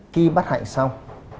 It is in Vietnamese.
khi bắt hạnh xong